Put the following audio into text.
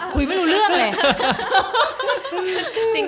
คุยไม่รู้เรื่องเลย